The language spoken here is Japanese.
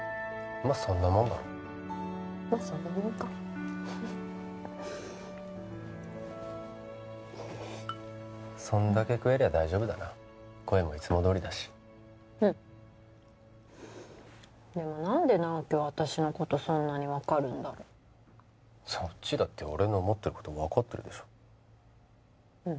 まっそんなもんかそんだけ食えりゃ大丈夫だな声もいつもどおりだしうんでも何で直木は私のことそんなに分かるんだろうそっちだって俺の思ってること分かってるでしょうん